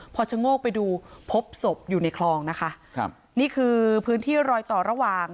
พอชะโงกไปดูพบศพอยู่ในคลองนะคะครับนี่คือพื้นที่รอยต่อระหว่าง